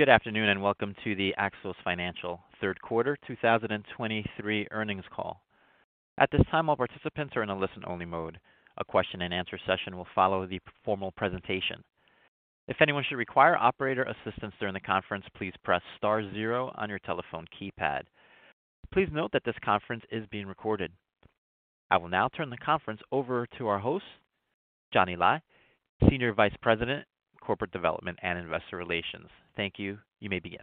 Good afternoon, and welcome to the Axos Financial third quarter 2023 Earnings call. At this time, all participants are in a listen-only mode. A question-and-answer session will follow the formal presentation. If anyone should require operator assistance during the conference, please Press Star zero on your telephone keypad. Please note that this conference is being recorded. I will now turn the conference over to our host, Johnny Lai, Senior Vice President, Corporate Development and Investor Relations. Thank you. You may begin.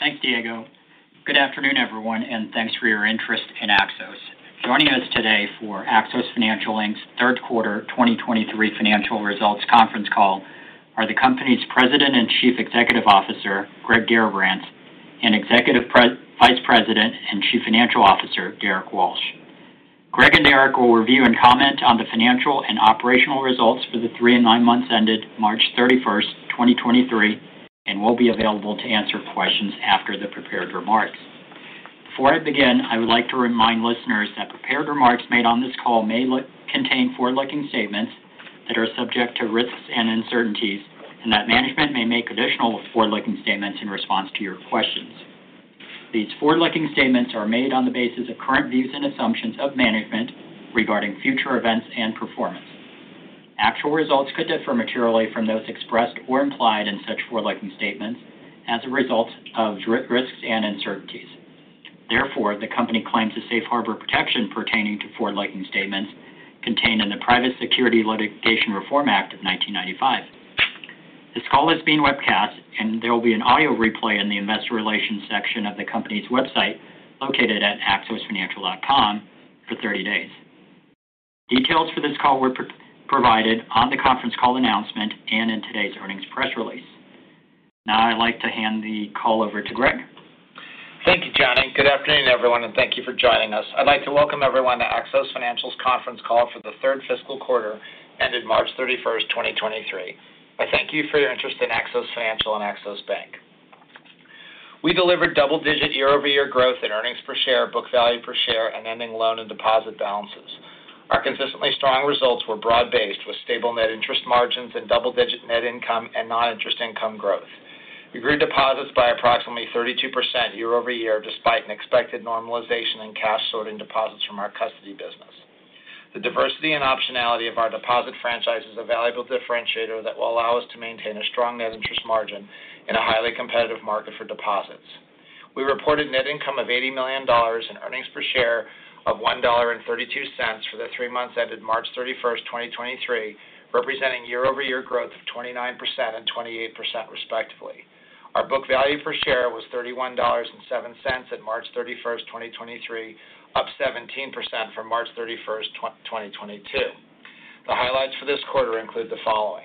Thanks, Diego. Good afternoon, everyone, thanks for your interest in Axos. Joining us today for Axos Financial, Inc.'s third quarter 2023 financial results Conference Call are the company's President and Chief Executive Officer, Greg Garrabrants, and Executive Vice President and Chief Financial Officer, Derrick Walsh. Greg and Derrick will review and comment on the financial and operational results for the three and nine months ended 31st March 2023, will be available to answer questions after the prepared remarks. Before I begin, I would like to remind listeners that prepared remarks made on this call may contain forward-looking statements that are subject to risks and uncertainties and that management may make additional forward-looking statements in response to your questions. These forward-looking statements are made on the basis of current views and assumptions of management regarding future events and performance. Actual results could differ materially from those expressed or implied in such forward-looking statements as a result of risks and uncertainties. Therefore, the company claims the safe harbor protection pertaining to forward-looking statements contained in the Private Securities Litigation Reform Act of 1995. This call is being webcast, and there will be an audio replay in the investor relations section of the company's website, located at axosfinancial.com, for 30 days. Details for this call were provided on the conference call announcement and in today's earnings press release. Now I'd like to hand the call over to Greg. Thank you, Johnny. afternoon, everyone, and thank you for joining us. I'd like to welcome everyone to Axos Financial's Conference Call for the third fiscal quarter ended 31st March 2023. I thank you for your interest in Axos Financial and Axos Bank. We delivered double-digit year-over-year growth in earnings per share, book value per share, and ending loan and deposit balances. Our consistently strong results were broad-based with stable net interest margins and double-digit net income and non-interest income growth. We grew deposits by approximately 32% year-over-year despite an expected normalization in cash sorting deposits from our custody business. The diversity and optionality of our deposit franchise is a valuable differentiator that will allow us to maintain a strong net interest margin in a highly competitive market for deposits. We reported net income of $80 million and earnings per share of $1.32 for the three months ended 31st March 2023, representing year-over-year growth of 29% and 28% respectively. Our book value per share was $31.07 at March thirty-first, 2023, up 17% from March thirty-first, 2022. The highlights for this quarter include the following.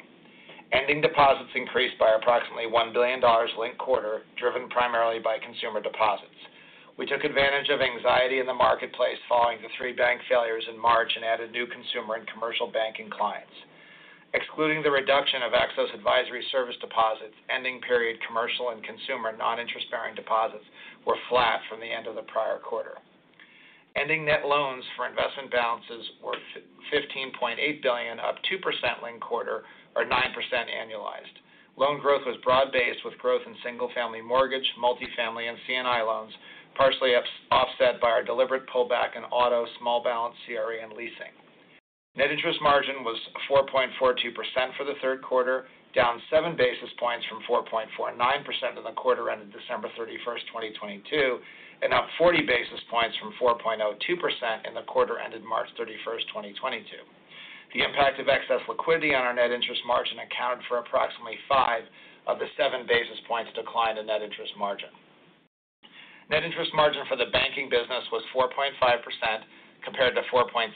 Ending deposits increased by approximately $1 billion linked quarter, driven primarily by consumer deposits. We took advantage of anxiety in the marketplace following the three bank failures in March and added new consumer and commercial banking clients. Excluding the reduction of Axos Advisory Services deposits, ending period commercial and consumer non-interest-bearing deposits were flat from the end of the prior quarter. Ending net loans for investment balances were $15.8 billion, up 2% linked quarter or 9% annualized. Loan growth was broad-based with growth in single-family mortgage, multi-family, and C&I loans, partially offset by our deliberate pullback in auto, small balance CRE, and leasing. Net interest margin was 4.42% for the third quarter, down 7 basis points from 4.49% in the quarter ended 31st December 2022, and up 40 basis points from 4.02% in the quarter ended 31st March 2022. The impact of excess liquidity on our net interest margin accounted for approximately five of the seven basis points decline in net interest margin. Net interest margin for the banking business was 4.5% compared to 4.65%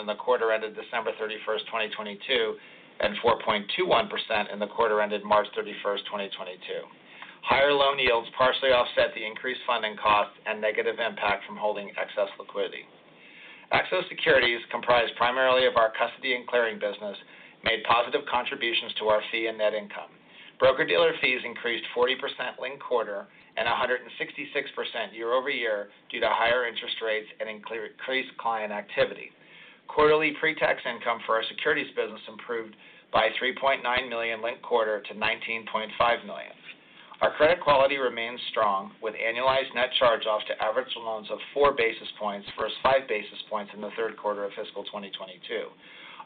in the quarter ended 31st December 2022, and 4.21% in the quarter ended 31st March 2022. Higher loan yields partially offset the increased funding costs and negative impact from holding excess liquidity. Axos Securities, comprised primarily of our custody and clearing business, made positive contributions to our fee and net income. Broker-dealer fees increased 40% linked-quarter and 166% year-over-year due to higher interest rates and increased client activity. Quarterly pre-tax income for our securities business improved by $3.9 million linked-quarter to $19.5 million. Our credit quality remains strong with annualized net charge-offs to average loans of four basis points versus five basis points in the third quarter of fiscal 2022.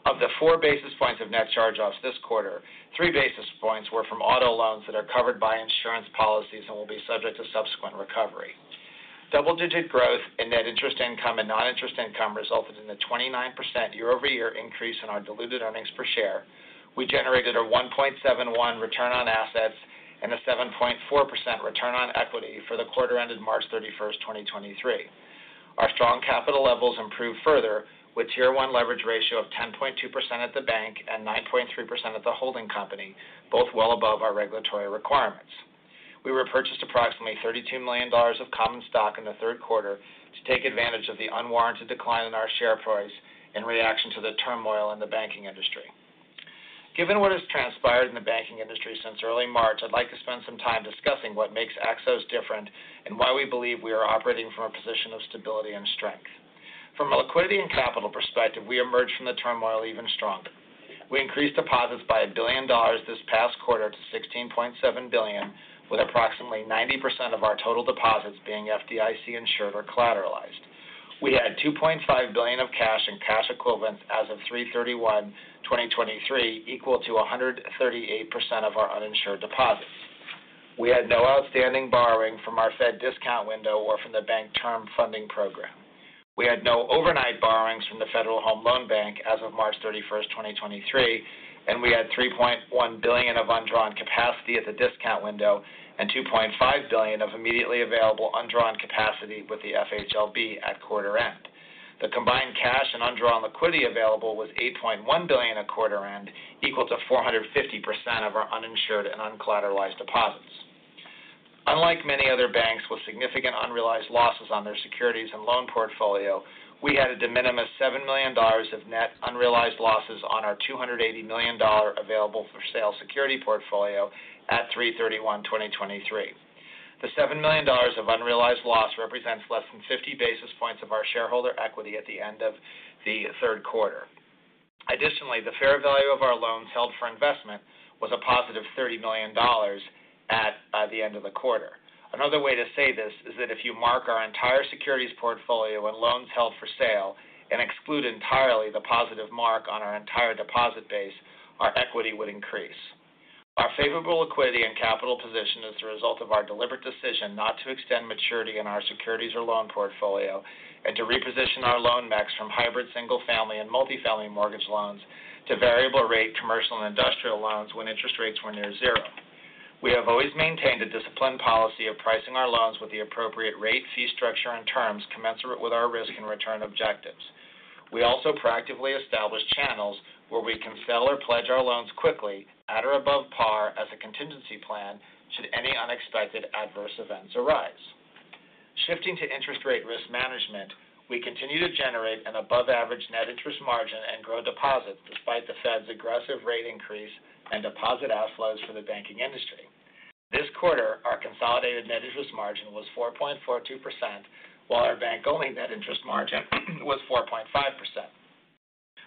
Of the 4 basis points of net charge-offs this quarter, 3 basis points were from auto loans that are covered by insurance policies and will be subject to subsequent recovery. Double-digit growth in net interest income and non-interest income resulted in a 29% year-over-year increase in our diluted earnings per share. We generated a 1.71 return on assets and a 7.4% return on equity for the quarter ended March 31st, 2023. Our strong capital levels improved further with Tier 1 leverage ratio of 10.2% at the bank and 9.3% at the holding company, both well above our regulatory requirements. We repurchased approximately $32 million of common stock in the third quarter to take advantage of the unwarranted decline in our share price in reaction to the turmoil in the banking industry. Given what has transpired in the banking industry since early March, I'd like to spend some time discussing what makes Axos different and why we believe we are operating from a position of stability and strength. From a liquidity and capital perspective, we emerged from the turmoil even stronger. We increased deposits by $1 billion this past quarter to $16.7 billion, with approximately 90% of our total deposits being FDIC insured or collateralized. We had $2.5 billion of cash and cash equivalents as of 3/31/2023, equal to 138% of our uninsured deposits. We had no outstanding borrowing from our Fed discount window or from the Bank Term Funding Program. We had no overnight borrowings from the Federal Home Loan Bank as of31st March 2023. We had $3.1 billion of undrawn capacity at the discount window and $2.5 billion of immediately available undrawn capacity with the FHLB at quarter end. The combined cash and undrawn liquidity available was $8.1 billion at quarter end, equal to 450% of our uninsured and uncollateralized deposits. Unlike many other banks with significant unrealized losses on their securities and loan portfolio, we had a de minimis $7 million of net unrealized losses on our $280 million Available for Sale security portfolio at 3/31/2023. The $7 million of unrealized loss represents less than 50 basis points of our shareholder equity at the end of the third quarter. Additionally, the fair value of our loans held for investment was a positive $30 million at the end of the quarter. Another way to say this is that if you mark our entire securities portfolio and loans held for sale and exclude entirely the positive mark on our entire deposit base, our equity would increase. Our favorable equity and capital position is the result of our deliberate decision not to extend maturity in our securities or loan portfolio and to reposition our loan mix from hybrid single-family and multifamily mortgage loans to variable rate commercial and industrial loans when interest rates were near 0. We have always maintained a disciplined policy of pricing our loans with the appropriate rate, fee structure and terms commensurate with our risk and return objectives. We also proactively establish channels where we can sell or pledge our loans quickly at or above par as a contingency plan should any unexpected adverse events arise. Shifting to interest rate risk management, we continue to generate an above average net interest margin and grow deposits despite the Fed's aggressive rate increase and deposit outflows for the banking industry. This quarter, our consolidated net interest margin was 4.42%, while our bank-only net interest margin was 4.5%.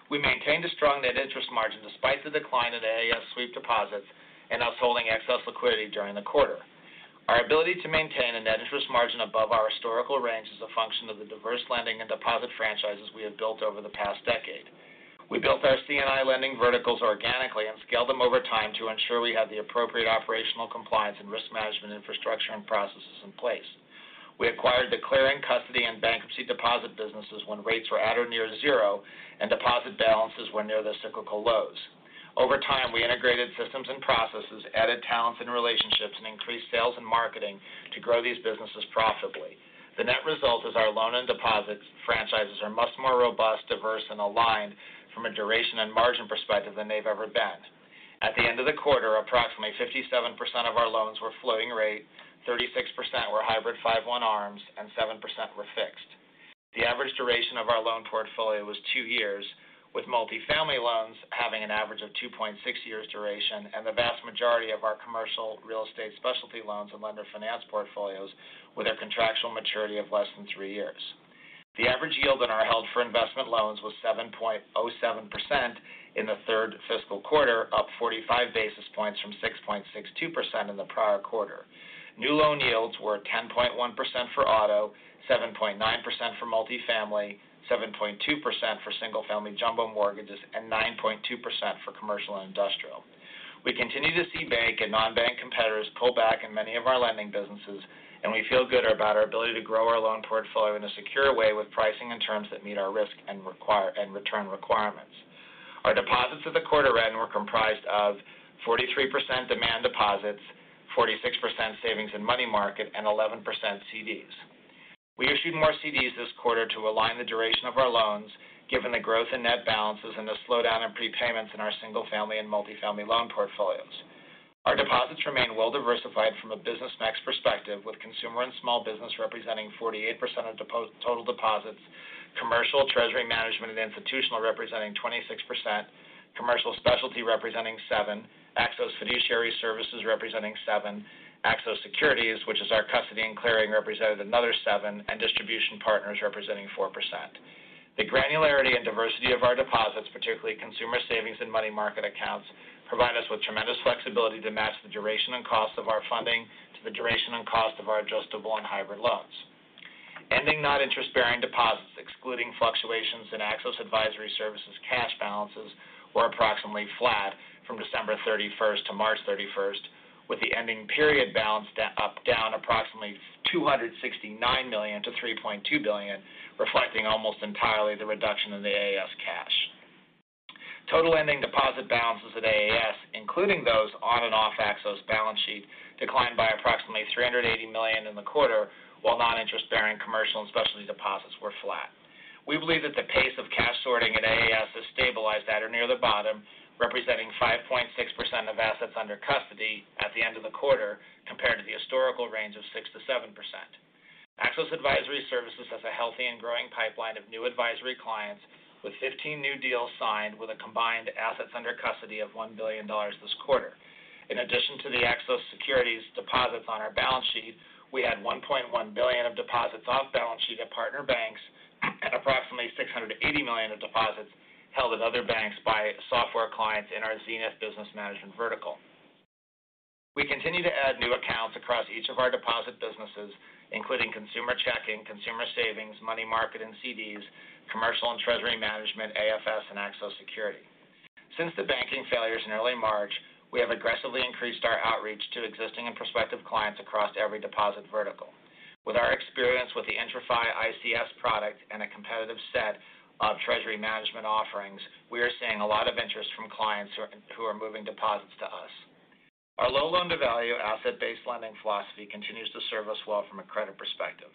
We maintained a strong net interest margin despite the decline in AAS sweep deposits and us holding excess liquidity during the quarter. Our ability to maintain a net interest margin above our historical range is a function of the diverse lending and deposit franchises we have built over the past decade. We built our C&I lending verticals organically and scaled them over time to ensure we have the appropriate operational compliance and risk management infrastructure and processes in place. We acquired the clearing, custody and bankruptcy deposit businesses when rates were at or near 0 and deposit balances were near their cyclical lows. Over time, we integrated systems and processes, added talents and relationships, and increased sales and marketing to grow these businesses profitably. The net result is our loan and deposits franchises are much more robust, diverse and aligned from a duration and margin perspective than they've ever been. At the end of the quarter, approximately 57% of our loans were floating rate, 36% were hybrid 5/1 ARMs, and 7% were fixed. The average duration of our loan portfolio was two years, with multifamily loans having an average of 2.6 years duration and the vast majority of our commercial real estate specialty loans and lender finance portfolios with a contractual maturity of less than three years. The average yield on our held for investment loans was 7.07% in the third fiscal quarter, up 45 basis points from 6.62% in the prior quarter. New loan yields were 10.1% for auto, 7.9% for multifamily, 7.2% for single family jumbo mortgages, and 9.2% for commercial and industrial. We continue to see bank and non-bank competitors pull back in many of our lending businesses, we feel good about our ability to grow our loan portfolio in a secure way with pricing and terms that meet our risk and return requirements. Our deposits at the quarter end were comprised of 43% demand deposits, 46% savings and money market, and 11% CDs. We issued more CDs this quarter to align the duration of our loans, given the growth in net balances and the slowdown in prepayments in our single family and multifamily loan portfolios. Our deposits remain well diversified from a business mix perspective, with consumer and small business representing 48% of total deposits, commercial, treasury management and institutional representing 26%, commercial specialty representing 7%, Axos Fiduciary Services representing 7%, Axos Securities, which is our custody and clearing, represented another 7%, and distribution partners representing 4%. The granularity and diversity of our deposits, particularly consumer savings, and money market accounts, provide us with tremendous flexibility to match the duration and cost of our funding to the duration and cost of our adjustable and hybrid loans. Ending non-interest bearing deposits, excluding fluctuations in Axos Advisory Services cash balances were approximately flat from December 31st to March 31st, with the ending period balance down approximately $269 million to $3.2 billion, reflecting almost entirely the reduction in the AAS cash. Total ending deposit balances at AAS, including those on and off Axos balance sheet, declined by approximately $380 million in the quarter, while non-interest bearing commercial and specialty deposits were flat. We believe that the pace of cash sorting at AAS has stabilized at or near the bottom, representing 5.6% of assets under custody at the end of the quarter, compared to the historical range of 6%-7%. Axos Advisory Services has a healthy and growing pipeline of new advisory clients, with 15 new deals signed with a combined assets under custody of $1 billion this quarter. In addition to the Axos Securities deposits on our balance sheet, we had $1.1 billion of deposits off balance sheet at partner banks and approximately $680 million of deposits held at other banks by software clients in our ZNS business management vertical. We continue to add new accounts across each of our deposit businesses, including consumer checking, consumer savings, money market and CDs, commercial and treasury management, AFS and Axos Securities. Since the banking failures in early March, we have aggressively increased our outreach to existing and prospective clients across every deposit vertical. With our experience with the IntraFi ICS product and a competitive set of treasury management offerings, we are seeing a lot of interest from clients who are moving deposits to us. Our low loan-to-value asset-based lending philosophy continues to serve us well from a credit perspective.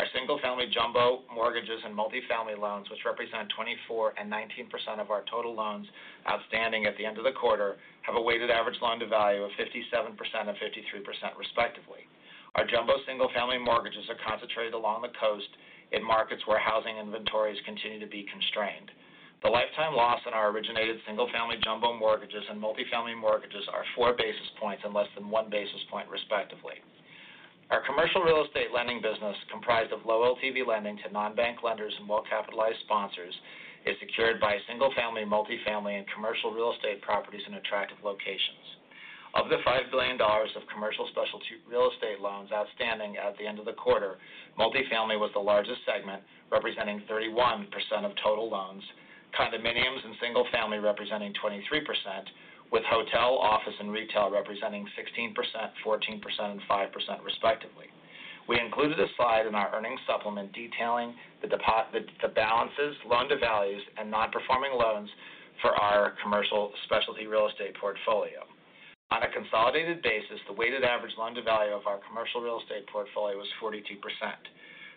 Our single-family jumbo mortgages and multifamily loans, which represent 24 and 19% of our total loans outstanding at the end of the quarter, have a weighted average loan-to-value of 57% and 53% respectively. Our jumbo single-family mortgages are concentrated along the coast in markets where housing inventories continue to be constrained. The lifetime loss in our originated single-family jumbo mortgages and multifamily mortgages are four basis points and less than one basis point respectively. Our commercial real estate lending business, comprised of low LTV lending to non-bank lenders and well-capitalized sponsors, is secured by single-family, multifamily and commercial real estate properties in attractive locations. Of the $5 billion of commercial specialty real estate loans outstanding at the end of the quarter, multifamily was the largest segment, representing 31% of total loans, condominiums and single-family representing 23%, with hotel, office and retail representing 16%, 14% and 5% respectively. We included a slide in our earnings supplement detailing the balances, loan-to-values and non-performing loans for our commercial specialty real estate portfolio. On a consolidated basis, the weighted average loan-to-value of our commercial real estate portfolio was 42%.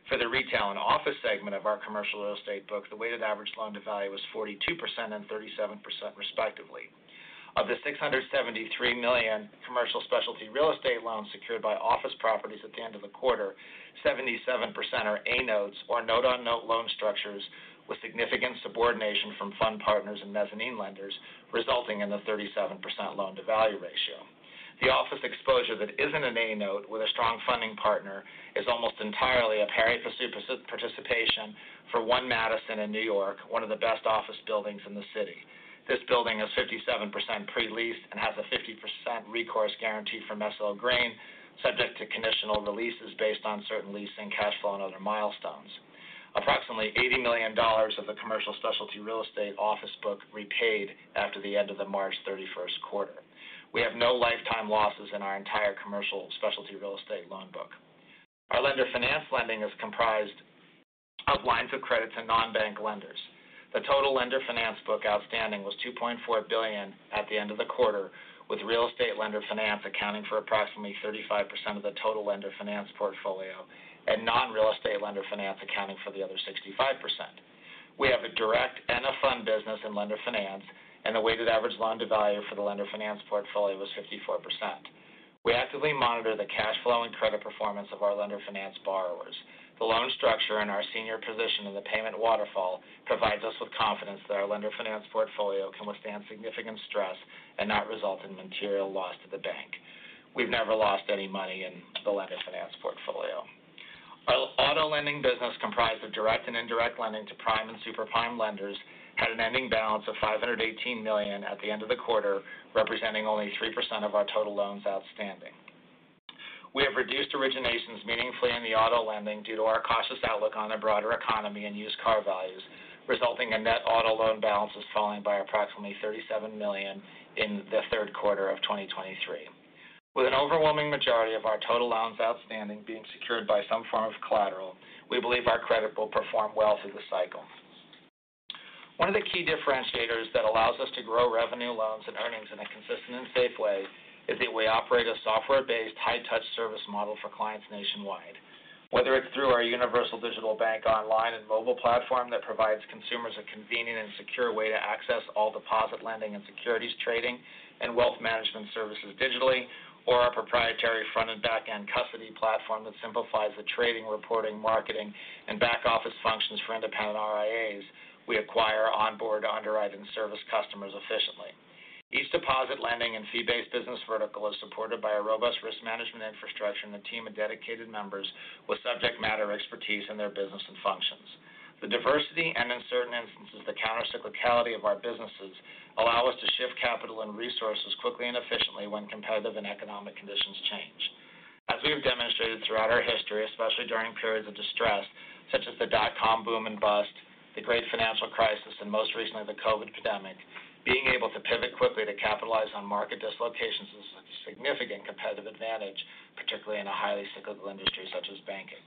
For the retail and office segment of our commercial real estate book, the weighted average loan-to-value was 42% and 37% respectively. Of the $673 million commercial specialty real estate loans secured by office properties at the end of the quarter, 77% are A-notes or note-on-note loan structures with significant subordination from fund partners and mezzanine lenders, resulting in a 37% loan-to-value ratio. The office exposure that isn't an A-note with a strong funding partner is almost entirely a pari passu participation for One Madison in New York, one of the best office buildings in the city. This building is 57% pre-leased and has a 50% recourse guarantee from SL Green, subject to conditional releases based on certain leasing cash flow and other milestones. Approximately $80 million of the commercial specialty real estate office book repaid after the end of the 31st March quarter. We have no lifetime losses in our entire commercial specialty real estate loan book. Our lender finance lending is comprised of lines of credit to non-bank lenders. The total lender finance book outstanding was $2.4 billion at the end of the quarter, with real estate lender finance accounting for approximately 35% of the total lender finance portfolio and non-real estate lender finance accounting for the other 65%. We have a direct and a fund business in lender finance. The weighted average loan-to-value for the lender finance portfolio was 54%. We actively monitor the cash flow and credit performance of our lender finance borrowers. The loan structure and our senior position in the payment waterfall provides us with confidence that our lender finance portfolio can withstand significant stress and not result in material loss to the bank. We've never lost any money in the lender finance portfolio. Our auto lending business, comprised of direct and indirect lending to prime and super prime lenders, had an ending balance of $518 million at the end of the quarter, representing only 3% of our total loans outstanding. We have reduced originations meaningfully in the auto lending due to our cautious outlook on the broader economy and used car values, resulting in net auto loan balances falling by approximately $37 million in the 3rd quarter of 2023. With an overwhelming majority of our total loans outstanding being secured by some form of collateral, we believe our credit will perform well through the cycle. One of the key differentiators that allows us to grow revenue, loans and earnings in a consistent and safe way is that we operate a software-based, high-touch service model for clients nationwide. Whether it's through our universal digital bank online and mobile platform that provides consumers a convenient and secure way to access all deposit lending and securities trading and wealth management services digitally or our proprietary front and back-end custody platform that simplifies the trading, reporting, marketing and back-office functions for independent RIAs, we acquire onboard underwrite and service customers efficiently. Each deposit lending and fee-based business vertical is supported by a robust risk management infrastructure and a team of dedicated members with subject matter expertise in their business and functions. The diversity and in certain instances, the countercyclicality of our businesses allow us to shift capital and resources quickly and efficiently when competitive and economic conditions change. As we have demonstrated throughout our history, especially during periods of distress, such as the dot com boom and bust, the Great Financial Crisis and most recently the COVID pandemic, being able to pivot quickly to capitalize on market dislocations is a significant competitive advantage, particularly in a highly cyclical industry such as banking.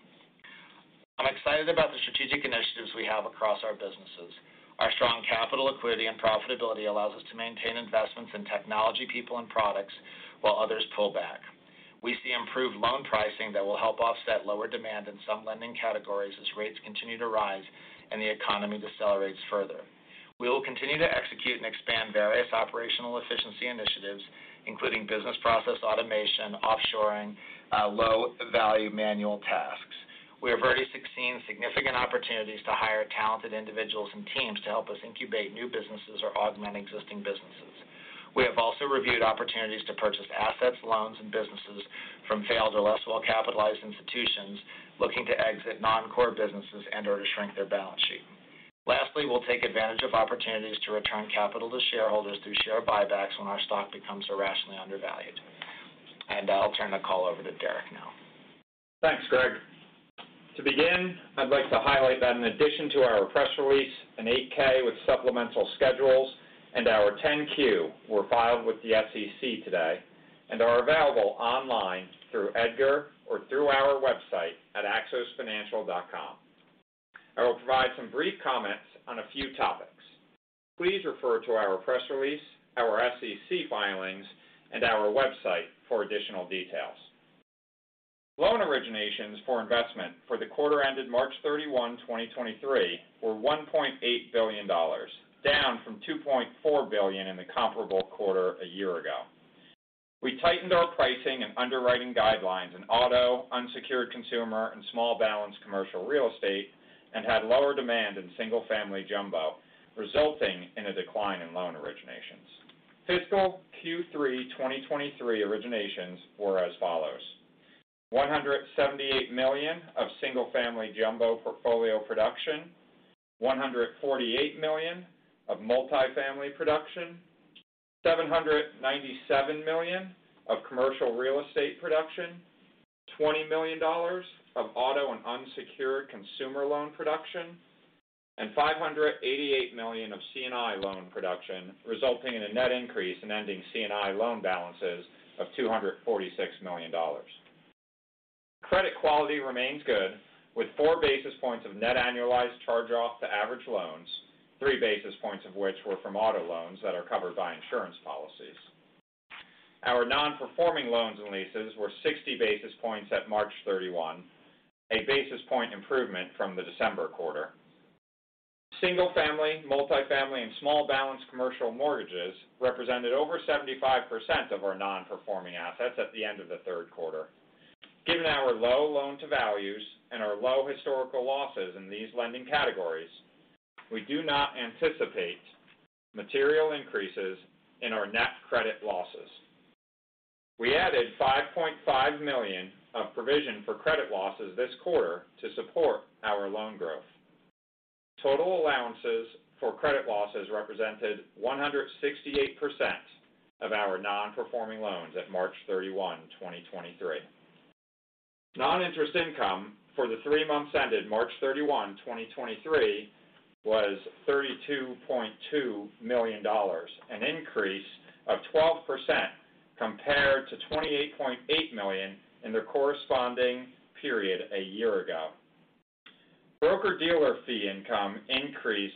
I'm excited about the strategic initiatives we have across our businesses. Our strong capital equity and profitability allows us to maintain investments in technology, people and products while others pull back. We see improved loan pricing that will help offset lower demand in some lending categories as rates continue to rise and the economy decelerates further. We will continue to execute and expand various operational efficiency initiatives, including business process automation, offshoring, low-value manual tasks. We have already seen significant opportunities to hire talented individuals and teams to help us incubate new businesses or augment existing businesses. We have also reviewed opportunities to purchase assets, loans, and businesses from failed or less well-capitalized institutions looking to exit non-core businesses and/or to shrink their balance sheet. Lastly, we'll take advantage of opportunities to return capital to shareholders through share buybacks when our stock becomes irrationally undervalued. I'll turn the call over to Derrick now. Thanks, Greg. To begin, I'd like to highlight that in addition to our press release, an 8-K with supplemental schedules and our 10-Q were filed with the SEC today and are available online through EDGAR or through our website at axosfinancial.com. I will provide some brief comments on a few topics. Please refer to our press release, our SEC filings, and our website for additional details. Loan originations for investment for the quarter ended 31st March 2023 were $1.8 billion, down from $2.4 billion in the comparable quarter a year ago. We tightened our pricing and underwriting guidelines in auto, unsecured consumer, and small balance Commercial Real Estate, had lower demand in single-family jumbo, resulting in a decline in loan originations. Fiscal Q3 2023 originations were as follows: $178 million of single-family jumbo portfolio production, $148 million of multifamily production, $797 million of commercial real estate production, $20 million of auto and unsecured consumer loan production, and $588 million of C&I loan production, resulting in a net increase in ending C&I loan balances of $246 million. Credit quality remains good, with four basis points of net annualized charge-off to average loans, three basis points of which were from auto loans that are covered by insurance policies. Our non-performing loans and leases were 60 basis points at 31st March a basis point improvement from the December quarter. Single-family, multifamily, and small balance commercial mortgages represented over 75% of our non-performing assets at the end of the third quarter. Given our low loan to values and our low historical losses in these lending categories, we do not anticipate material increases in our net credit losses. We added $5.5 million of provision for credit losses this quarter to support our loan growth. Total allowances for credit losses represented 168% of our non-performing loans at31st March 2023. Non-interest income for the three months ended 31st March 2023 was $32.2 million, an increase of 12% compared to $28.8 million in the corresponding period a year ago. Broker dealer fee income increased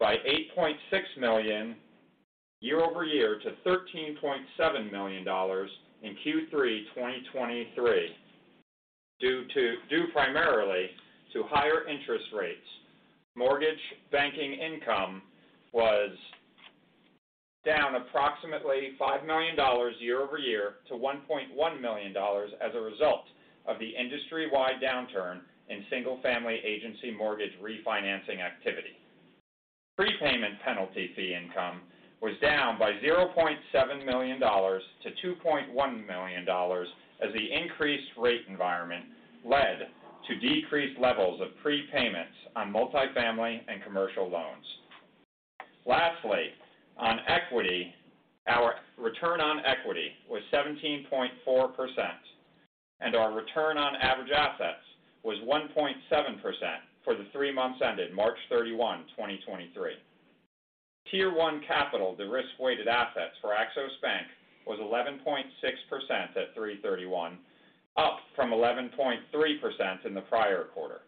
by $8.6 million year-over-year to $13.7 million in Q3 2023 due primarily to higher interest rates. Mortgage banking income was down approximately $5 million year-over-year to $1.1 million as a result of the industry-wide downturn in single-family agency mortgage refinancing activity. Prepayment penalty fee income was down by $0.7 million to $2.1 million as the increased rate environment led to decreased levels of prepayments on multifamily and commercial loans. Lastly, on equity, our return on equity was 17.4%, and our return on average assets was 1.7% for the three months ended 31st March 2023. Tier One capital, the risk-weighted assets for Axos Bank was 11.6% at 3/31, up from 11.3% in the prior quarter.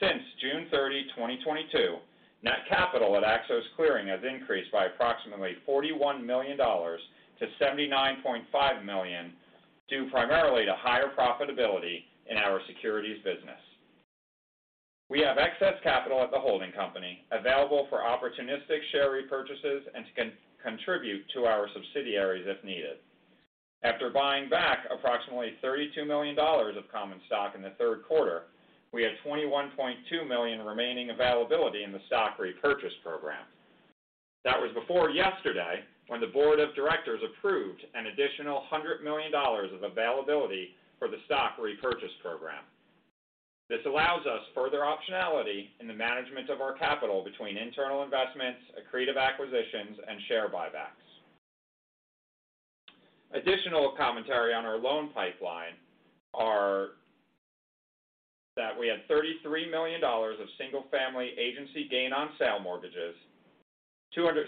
Since 30th June, 2022, net capital at Axos Clearing has increased by approximately $41 million to $79.5 million, due primarily to higher profitability in our securities business. We have excess capital at the holding company available for opportunistic share repurchases and to contribute to our subsidiaries if needed. After buying back approximately $32 million of common stock in the third quarter, we had $21.2 million remaining availability in the stock repurchase program. That was before yesterday when the board of directors approved an additional $100 million of availability for the stock repurchase program. This allows us further optionality in the management of our capital between internal investments, accretive acquisitions, and share buybacks. Additional commentary on our loan pipeline are that we had $33 million of single-family agency gain on sale mortgages, $273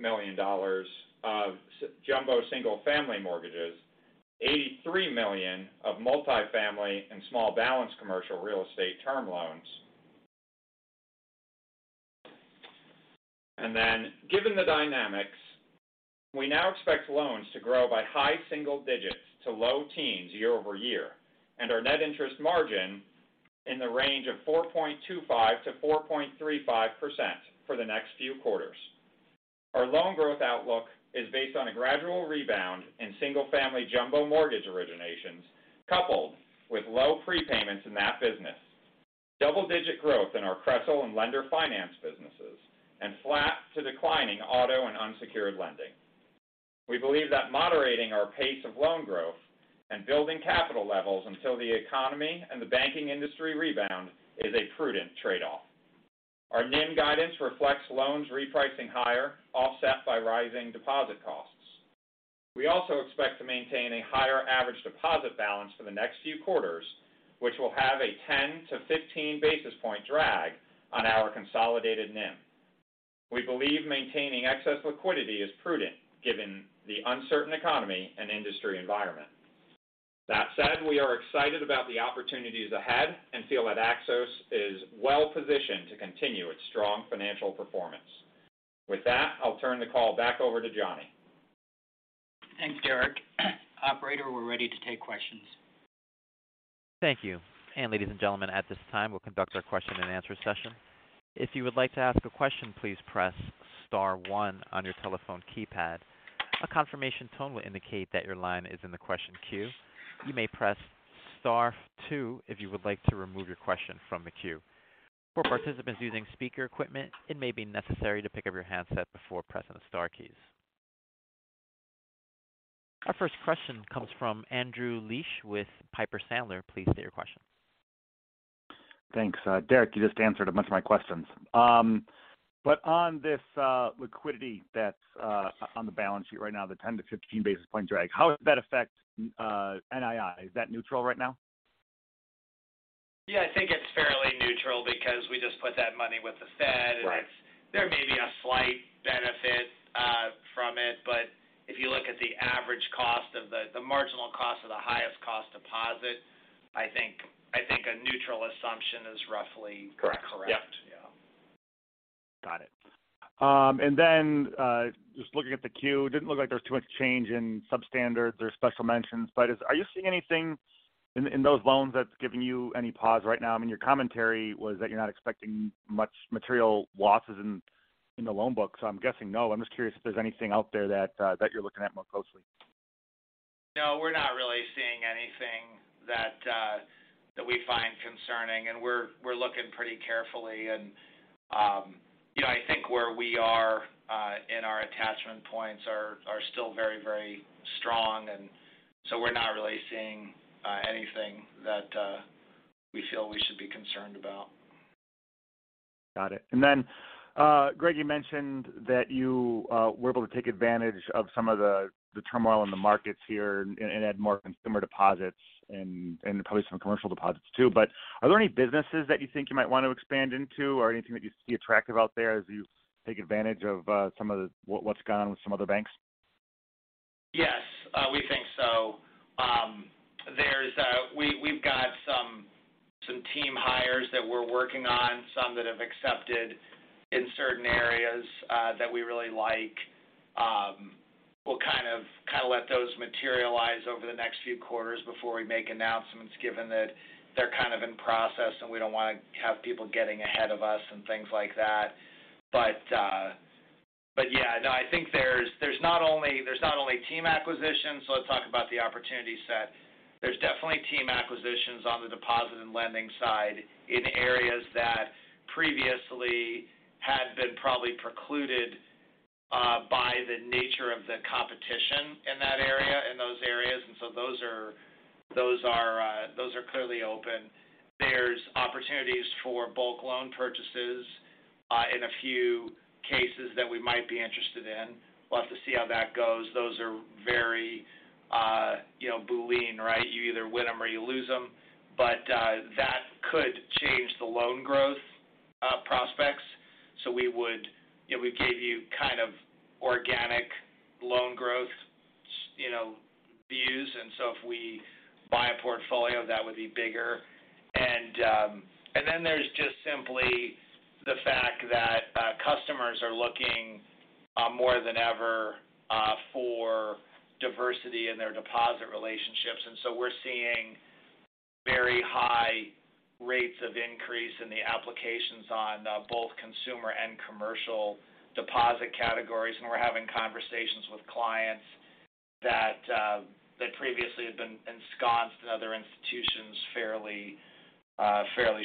million of jumbo single-family mortgages, $83 million of multifamily and small balance Commercial Real Estate term loans. Given the dynamics, we now expect loans to grow by high single digits to low teens year-over-year, and our net interest margin. In the range of 4.25%-4.35% for the next few quarters. Our loan growth outlook is based on a gradual rebound in single-family jumbo mortgage originations, coupled with low prepayments in that business. Double-digit growth in our CRESL and lender finance businesses and flat to declining auto and unsecured lending. We believe that moderating our pace of loan growth and building capital levels until the economy and the banking industry rebound is a prudent trade-off. Our NIM guidance reflects loans repricing higher, offset by rising deposit costs. We also expect to maintain a higher average deposit balance for the next few quarters, which will have a 10-15 basis point drag on our consolidated NIM. We believe maintaining excess liquidity is prudent given the uncertain economy and industry environment. That said, we are excited about the opportunities ahead and feel that Axos is well positioned to continue its strong financial performance. With that, I'll turn the call back over to Johnny. Thanks, Derrick. Operator, we're ready to take questions. Thank you. Ladies and gentlemen, at this time, we'll conduct our question and answer session. If you would like to ask a question, please press star one on your telephone keypad. A confirmation tone will indicate that your line is in the question queue. You may press star two if you would like to remove your question from the queue. For participants using speaker equipment, it may be necessary to pick up your handset before pressing the star keys. Our first question comes from Andrew Liesch with Piper Sandler. Please state your question. Thanks. Derrick, you just answered a bunch of my questions. On this, liquidity that's on the balance sheet right now, the 10-15 basis point drag, how does that affect NII? Is that neutral right now? Yeah, I think it's fairly neutral because we just put that money with the Fed. Right. There may be a slight benefit from it, but if you look at the average cost of the marginal cost of the highest cost deposit, I think a neutral assumption is roughly correct. Correct. Yep. Yeah. Got it. Then, just looking at the 10-Q, didn't look like there was too much change in substandard or special mentions. Are you seeing anything in those loans that's giving you any pause right now? I mean, your commentary was that you're not expecting much material losses in the loan book. I'm guessing no. I'm just curious if there's anything out there that you're looking at more closely. No, we're not really seeing anything that we find concerning, and we're looking pretty carefully. You know, I think where we are in our attachment points are still very, very strong. We're not really seeing anything that we feel we should be concerned about. Got it. Then, Greg, you mentioned that you were able to take advantage of some of the turmoil in the markets here and add more consumer deposits and probably some commercial deposits too. Are there any businesses that you think you might want to expand into or anything that you see attractive out there as you take advantage of some of what's gone on with some other banks? Yes, we think so. There's we've got some team hires that we're working on, some that have accepted in certain areas that we really like. We'll kind of let those materialize over the next few quarters before we make announcements, given that they're kind of in process, and we don't want to have people getting ahead of us and things like that. Yeah, no, I think there's not only team acquisitions. Let's talk about the opportunity set. There's definitely team acquisitions on the deposit and lending side in areas that previously had been probably precluded by the nature of the competition in that area, in those areas. Those are clearly open. There's opportunities for bulk loan purchases in a few cases that we might be interested in. We'll have to see how that goes. Those are very, you know, Boolean, right? You either win them or you lose them. That could change the loan growth prospects. We would, you know, we gave you kind of organic loan growth, you know, views. If we buy a portfolio, that would be bigger. Then there's just simply the fact that customers are looking more than ever for diversity in their deposit relationships. We're seeing very high rates of increase in the applications on both consumer and commercial deposit categories. We're having conversations with clients that previously had been ensconced in other institutions fairly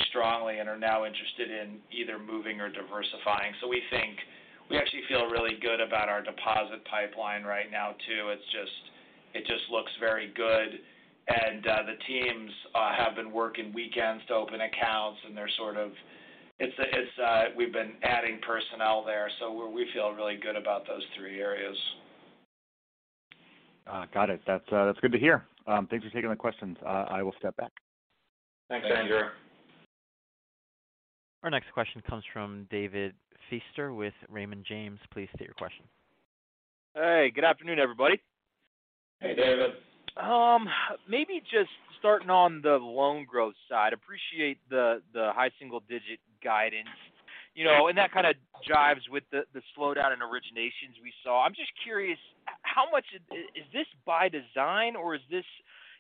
strongly and are now interested in either moving or diversifying. We actually feel really good about our deposit pipeline right now, too. It's just, it just looks very good. The teams have been working weekends to open accounts, and they're sort of we've been adding personnel there. We feel really good about those three areas. Got it. That's good to hear. Thanks for taking the questions. I will step back. Thanks, Andrew. Our next question comes from David Feaster with Raymond James. Please state your question. Hey. Good afternoon, everybody. Hey, David. Maybe just starting on the loan growth side. Appreciate the high single-digit guidance, you know, and that kind of jives with the slowdown in originations we saw. I'm just curious. Is this by design or is this,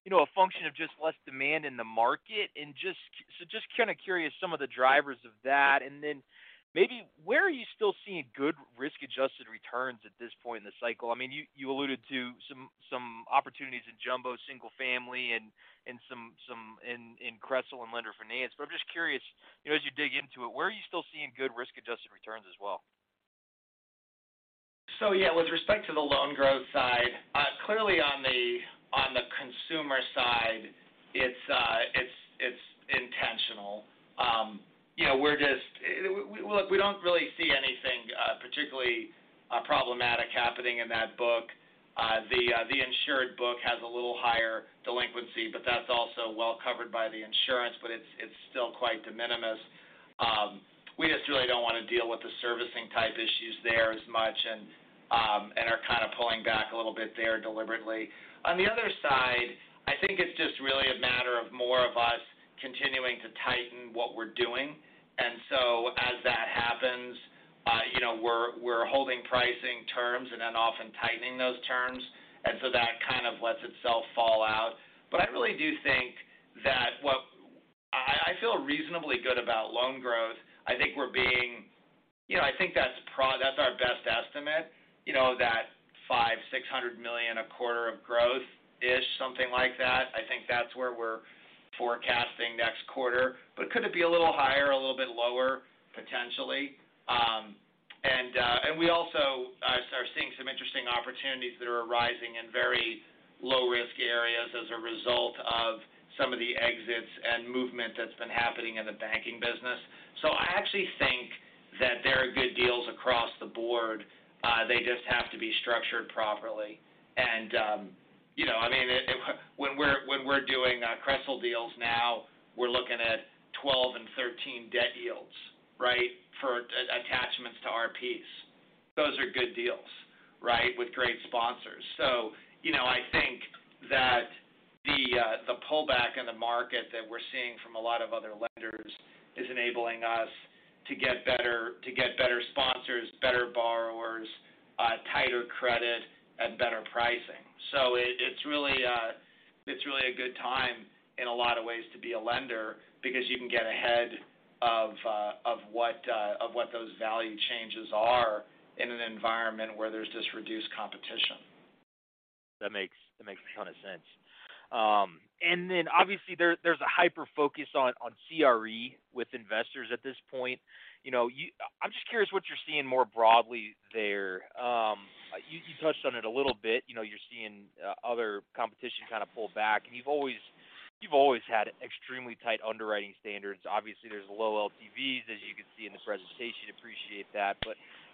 you know, a function of just less demand in the market? Just kinda curious some of the drivers of that. Maybe where are you still seeing good risk-adjusted returns at this point in the cycle? I mean, you alluded to some opportunities in jumbo single-family and some in CRESL and lender finance. I'm just curious, you know, as you dig into it, where are you still seeing good risk-adjusted returns as well? Yeah, with respect to the loan growth side, clearly on the, on the consumer side, it's, it's intentional. You know, we're just. Well, look, we don't really see anything particularly problematic happening in that book. The, the insured book has a little higher delinquency, but that's also well covered by the insurance, but it's still quite de minimis. We just really don't wanna deal with the servicing type issues there as much and are kinda pulling back a little bit there deliberately. On the other side, I think it's just really a matter of more of us continuing to tighten what we're doing. As that happens, you know, we're holding pricing terms and then often tightening those terms. That kind of lets itself fall out. I really do think that I feel reasonably good about loan growth. I think that's our best estimate, you know, that $500 million-$600 million a quarter of growth-ish, something like that. I think that's where we're forecasting next quarter. Could it be a little higher, a little bit lower? Potentially. We also are seeing some interesting opportunities that are arising in very low-risk areas as a result of some of the exits and movement that's been happening in the banking business. I actually think that there are good deals across the board, they just have to be structured properly. You know, I mean, when we're doing CRESL deals now, we're looking at 12 and 13 debt yields, right? For attachments to RPs. Those are good deals, right? With great sponsors. You know, I think that the pullback in the market that we're seeing from a lot of other lenders is enabling us to get better sponsors, better borrowers, tighter credit, and better pricing. It's really a good time in a lot of ways to be a lender because you can get ahead of what those value changes are in an environment where there's just reduced competition. That makes, that makes a ton of sense. Then obviously there's a hyper-focus on CRE with investors at this point. You know, I'm just curious what you're seeing more broadly there. You, you touched on it a little bit. You know, you're seeing other competition kinda pull back, and you've always had extremely tight underwriting standards. Obviously, there's low LTVs, as you can see in the presentation. Appreciate that.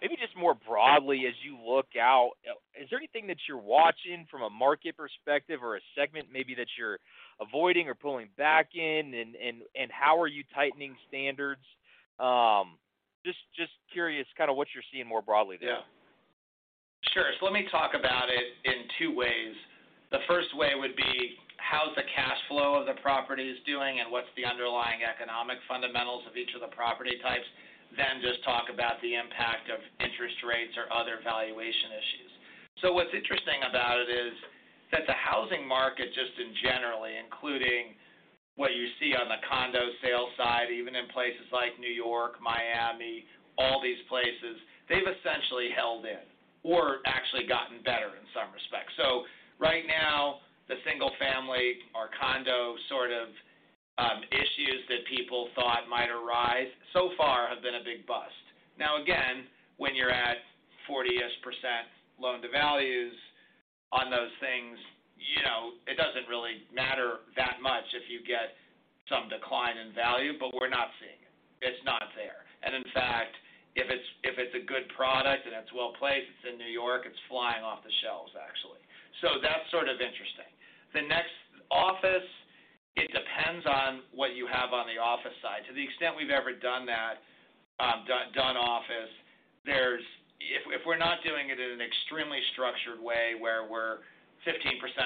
Maybe just more broadly as you look out, is there anything that you're watching from a market perspective or a segment maybe that you're avoiding or pulling back in and how are you tightening standards? Just curious kinda what you're seeing more broadly there? Yeah. Sure. Let me talk about it in two ways. The first way would be how's the cash flow of the properties doing and what's the underlying economic fundamentals of each of the property types, then just talk about the impact of interest rates or other valuation issues. What's interesting about it is that the housing market, just in general, including what you see on the condo sales side, even in places like New York, Miami, all these places, they've essentially held in or actually gotten better in some respects. Right now, the single family or condo sort of issues that people thought might arise so far have been a big bust. Now again, when you're at 40-ish% loan-to-values on those things, you know, it doesn't really matter that much if you get some decline in value, but we're not seeing it. It's not there. In fact, if it's a good product and it's well-placed, it's in New York, it's flying off the shelves, actually. That's sort of interesting. The next Office, it depends on what you have on the office side. To the extent we've ever done that, done office. If we're not doing it in an extremely structured way where we're 15%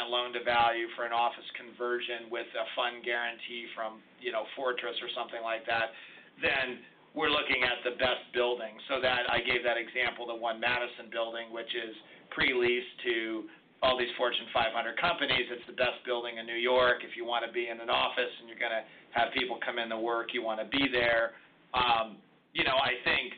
loan-to-value for an office conversion with a fund guarantee from, you know, Fortress or something like that, then we're looking at the best building. That I gave that example, the One Madison building, which is pre-leased to all these Fortune 500 companies. It's the best building in New York. If you wanna be in an office and you're gonna have people come into work, you wanna be there. You know, I think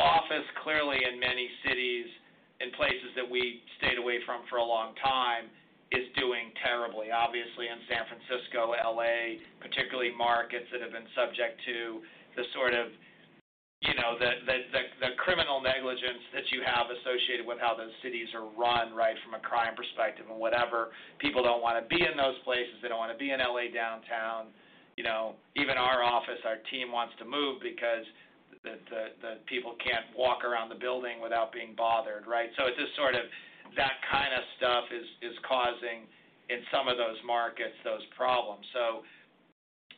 office, clearly in many cities, in places that we stayed away from for a long time, is doing terribly. Obviously, in San Francisco, L.A., particularly markets that have been subject to the sort of, you know, the criminal negligence that you have associated with how those cities are run, right, from a crime perspective and whatever. People don't wanna be in those places. They don't wanna be in L.A. downtown. You know, even our office, our team wants to move because the people can't walk around the building without being bothered, right? It's just sort of that kinda stuff is causing in some of those markets, those problems.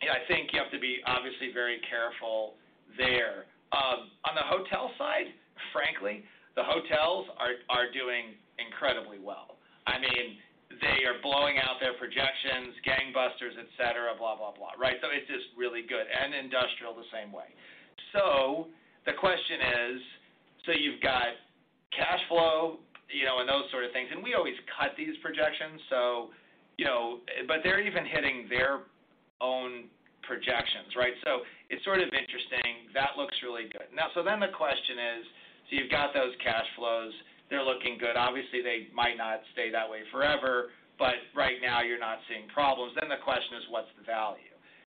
I think you have to be obviously very careful there. On the hotel side, frankly, the hotels are doing incredibly well. I mean, they are blowing out their projections, gangbusters, etc., blah, blah, right? It's just really good, and industrial the same way. The question is, so you've got cash flow, you know, and those sort of things, and we always cut these projections, so, you know. They're even hitting their own projections, right? It's sort of interesting. That looks really good. The question is, so you've got those cash flows, they're looking good. Obviously, they might not stay that way forever, but right now you're not seeing problems. The question is, what's the value?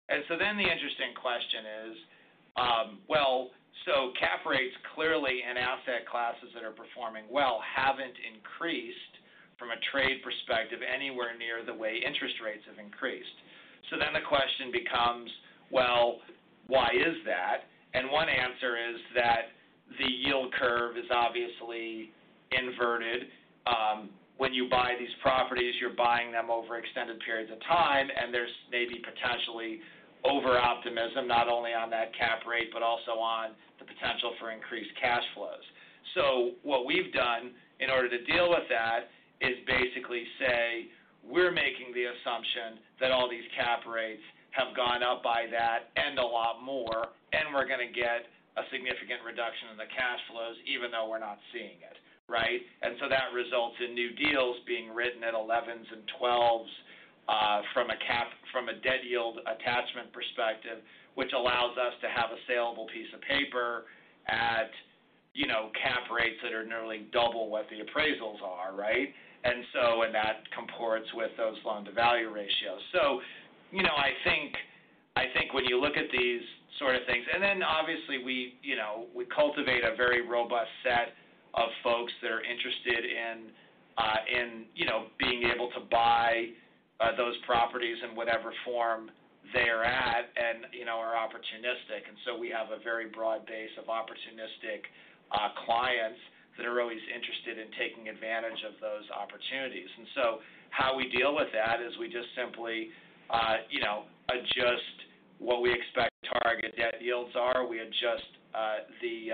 The interesting question is, well, so cap rates, clearly in asset classes that are performing well, haven't increased from a trade perspective anywhere near the way interest rates have increased. The question becomes, well, why is that? One answer is that the yield curve is obviously inverted. When you buy these properties, you're buying them over extended periods of time, and there's maybe potentially over-optimism, not only on that cap rate, but also on the potential for increased cash flows. What we've done in order to deal with that is basically say we're making the assumption that all these cap rates have gone up by that and a lot more, and we're gonna get a significant reduction in the cash flows even though we're not seeing it, right? That results in new deals being written at 11s and 12s, from a debt yield attachment perspective, which allows us to have a salable piece of paper at, you know, cap rates that are nearly double what the appraisals are, right? That comports with those loan-to-value ratios. you know, I think when you look at these sort of things. obviously we, you know, we cultivate a very robust set of folks that are interested in, you know, being able to buy those properties in whatever form they're at and, you know, are opportunistic. we have a very broad base of opportunistic clients that are always interested in taking advantage of those opportunities. how we deal with that is we just simply, you know, adjust what we expect target debt yields are. We adjust the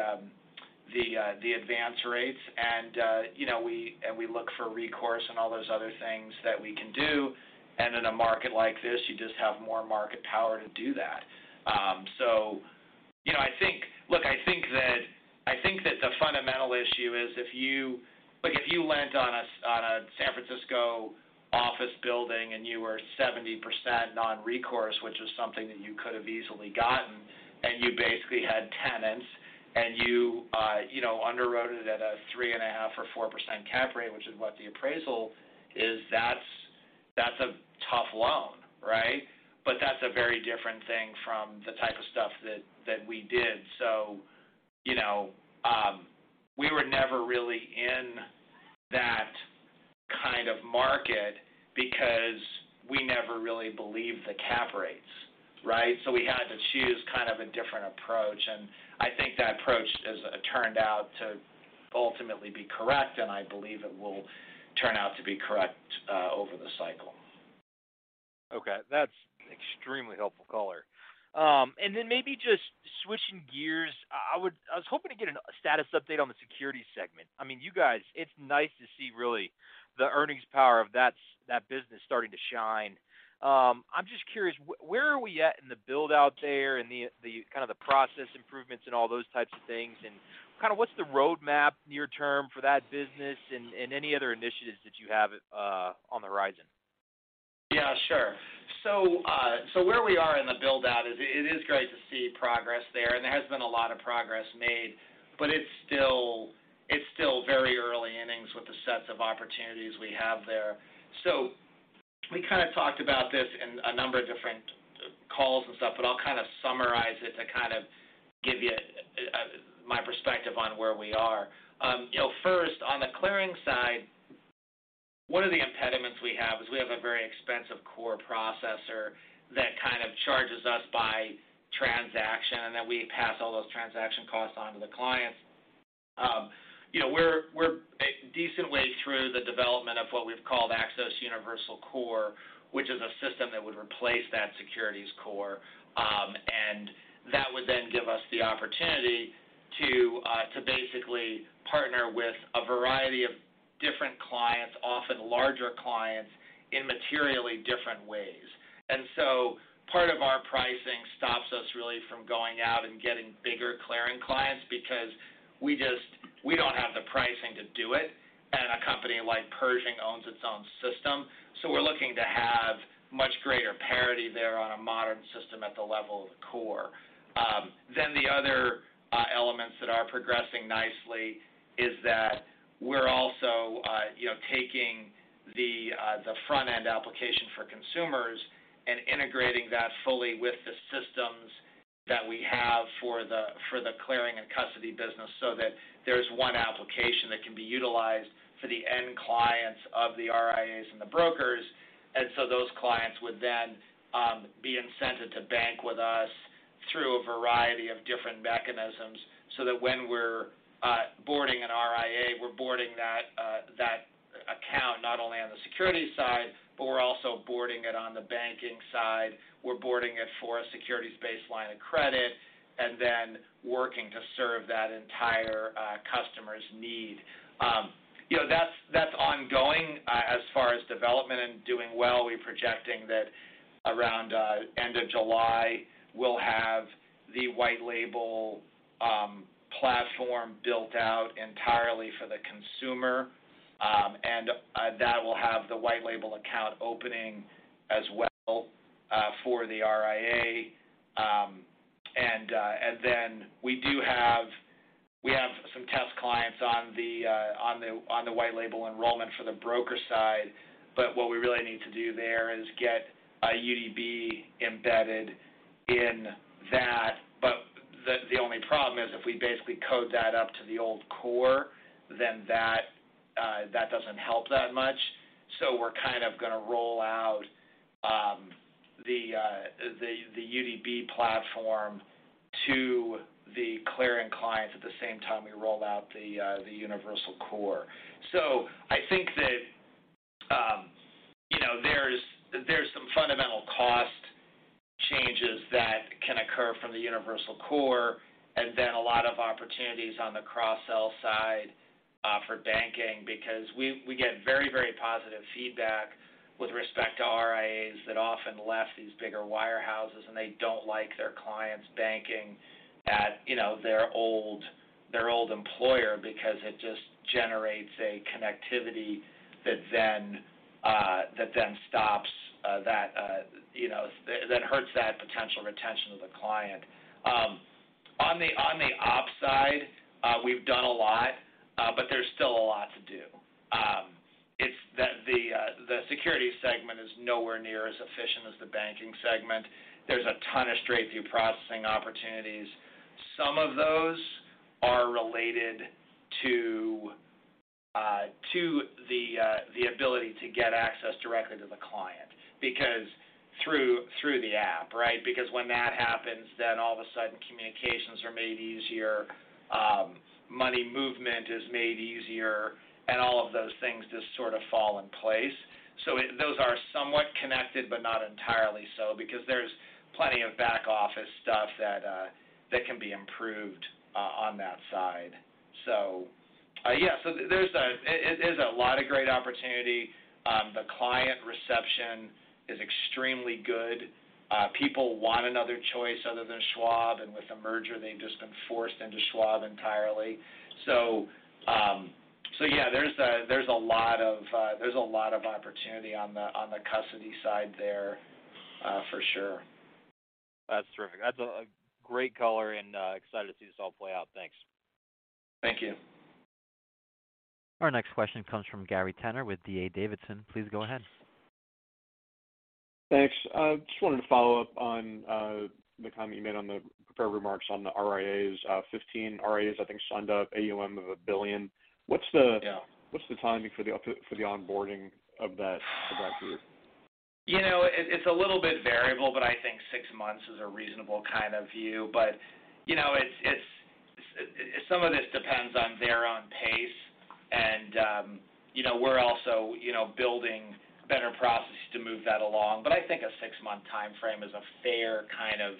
the advance rates and, you know, we, and we look for recourse and all those other things that we can do. in a market like this, you just have more market power to do that. you know, I think. Look, I think that the fundamental issue is if you like if you lent on a San Francisco office building and you were 70% non-recourse, which is something that you could have easily gotten, and you basically had tenants and you know, underwrote it at a 3.5% or 4% cap rate, which is what the appraisal is, that's a tough loan, right? That's a very different thing from the type of stuff that we did. You know, we were never really in that kind of market because we never really believed the cap rates, right? We had to choose kind of a different approach, and I think that approach has turned out to ultimately be correct, and I believe it will turn out to be correct over the cycle. Okay, that's extremely helpful color. Then maybe just switching gears, I was hoping to get a status update on the securities segment. I mean, you guys, it's nice to see really the earnings power of that business starting to shine. I'm just curious where are we at in the build-out there and the kind of the process improvements and all those types of things? Kind of what's the roadmap near term for that business and any other initiatives that you have on the horizon? Yeah, sure. It is great to see progress there, and there has been a lot of progress made, but it's still very early innings with the sets of opportunities we have there. We kind of talked about this in a number of different calls and stuff, but I'll kind of summarize it to kind of give you my perspective on where we are. You know, first, on the clearing side, one of the impediments we have is we have a very expensive core processor that kind of charges us by transaction, and then we pass all those transaction costs on to the clients. You know, we're a decent way through the development of what we've called Axos Universal Core, which is a system that would replace that securities core. That would then give us the opportunity to basically partner with a variety of different clients, often larger clients, in materially different ways. Part of our pricing stops us really from going out and getting bigger clearing clients because we don't have the pricing to do it. A company like Pershing owns its own system, so we're looking to have much greater parity there on a modern system at the level of the core. The other elements that are progressing nicely is that we're also, you know, taking the front-end application for consumers and integrating that fully with the systems that we have for the clearing and custody business, so that there's one application that can be utilized for the end clients of the RIAs and the brokers. Those clients would then be incented to bank with us through a variety of different mechanisms so that when we're boarding an RIA, we're boarding that account not only on the security side, but we're also boarding it on the banking side. We're boarding it for a securities baseline of credit and then working to serve that entire customer's need. You know, that's development and doing well. We're projecting that around end of July, we'll have the white label platform built out entirely for the consumer. That will have the white label account opening as well for the RIA. we have some test clients on the white label enrollment for the broker side. What we really need to do there is get a UDB embedded in that. The only problem is if we basically code that up to the old core, then that doesn't help that much. We're kind of gonna roll out the UDB platform to the clearing clients at the same time we roll out the Universal Core. I think that there's some fundamental cost changes that can occur from the Axos Universal Core, and then a lot of opportunities on the cross-sell side for banking because we get very, very positive feedback with respect to RIAs that often left these bigger wirehouses, and they don't like their clients banking at their old employer because it just generates a connectivity that then stops that hurts that potential retention of the client. On the ops side, we've done a lot, but there's still a lot to do. It's the security segment is nowhere near as efficient as the banking segment. There's a ton of straight-through processing opportunities. Some of those are related to the ability to get access directly to the client because through the app, right? When that happens, then all of a sudden communications are made easier, money movement is made easier, and all of those things just sort of fall in place. Those are somewhat connected, but not entirely so because there's plenty of back office stuff that can be improved on that side. Yeah, it is a lot of great opportunity. The client reception is extremely good. People want another choice other than Schwab, and with the merger, they've just been forced into Schwab entirely. Yeah, there's a lot of opportunity on the custody side there for sure. That's terrific. That's a great color and excited to see this all play out. Thanks. Thank you. Our next question comes from Gary Tenner with D.A. Davidson. Please go ahead. Thanks. I just wanted to follow up on the comment you made on the prepared remarks on the RIAs. 15 RIAs, I think, signed up, AUM of $1 billion. Yeah. What's the timing for the onboarding of that group? You know, it's a little bit variable, but I think six months is a reasonable kind of view. You know, it's some of this depends on their own pace, and you know, we're also, you know, building better processes to move that along. I think a six-month timeframe is a fair kind of